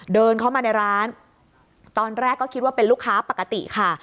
เดินเข้ามาในร้านตอนแรกก็คิดว่าเป็นลูกค้าปกติค่ะ